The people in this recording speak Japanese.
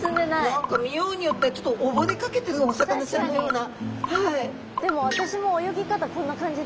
何か見ようによってはちょっと溺れかけてるお魚ちゃんのような。